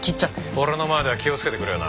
俺の前では気をつけてくれよな。